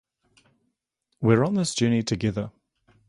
We're on this journey together.